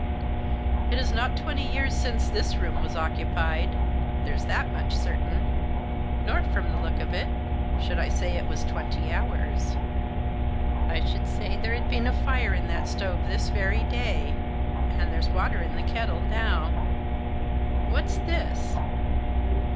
" It is not twenty years since this room was occupied, there's that much certain ; nor, from the look of it, should I say it was twenty hours. I should say there had been a fire in that stove this very day, and there's water in the kettle now." "What's this?"